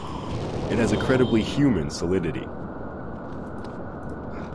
It has a credibly human solidity.